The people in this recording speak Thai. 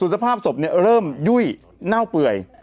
สภาพศพเริ่มยุ่ยเน่าเปื่อย